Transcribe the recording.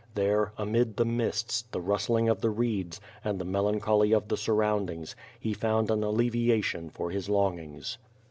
There, amid the mists, the rustling of the reeds, and the melancholy of the surroundings, he found an allevia tion for his longings.